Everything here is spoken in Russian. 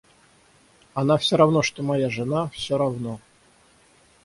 Она всё равно что моя жена, всё равно.